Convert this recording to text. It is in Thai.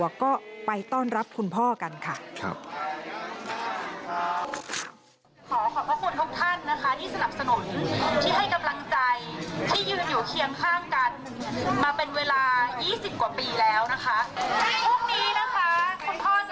หรือหวังว่าคุณพ่อยังจะได้รับกำลังใจตั้งแต่วันนี้แล้วค่ะ